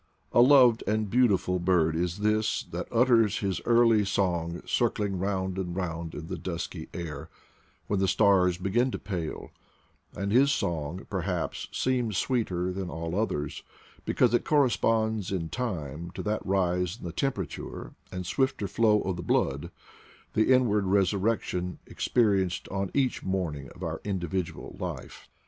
A loved and beautiful bird is this, that utters his early song circling round and round in the dusky air, when the stars begin to pale; and his song, perhaps, seems sweeter than all others, because it corresponds in time to that rise in the tempera ture and swifter flow of the blood — the inward resurrection experienced on each morning of our individual life.